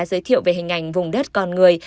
giới thiệu về hình ảnh vùng đất con người